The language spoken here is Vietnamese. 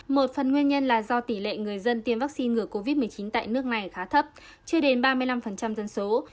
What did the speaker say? một phần nguyên nhân là do tỷ lệ người dân tiêm vaccine ngừa covid một mươi chín tại nước này khá thấp chưa đến ba mươi năm dân số